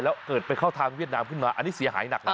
แล้วเกิดไปเข้าทางเวียดนามขึ้นมาอันนี้เสียหายหนักนะ